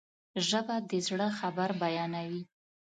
ژبه د زړه خبر بیانوي